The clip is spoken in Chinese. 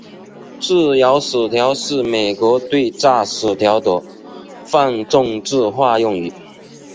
自由薯条是美国对炸薯条的泛政治化用语。